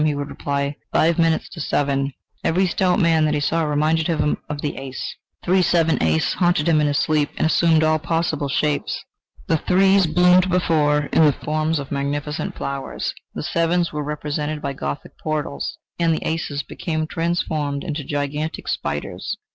he would reply: "Five minutes to seven." Every stout man that he saw reminded him of the ace. "Three, seven, ace" haunted him in his sleep, and assumed all possible shapes. The threes bloomed before him in the forms of magnificent flowers, the sevens were represented by Gothic portals, and the aces became transformed into gigantic spiders.